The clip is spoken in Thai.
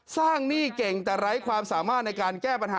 หนี้เก่งแต่ไร้ความสามารถในการแก้ปัญหา